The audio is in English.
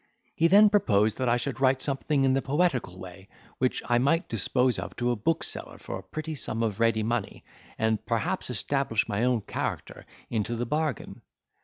He then proposed that I should write something in the poetical way, which I might dispose of to a bookseller for a pretty sum of ready money, and, perhaps, establish my own character into the bargain.